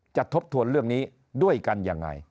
ทบทวนเรื่องนี้ด้วยกันยังไง